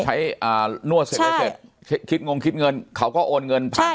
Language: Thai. ใช้นวดเสร็จคิดงงคิดเงินเขาก็โอนเงินผ่านแอป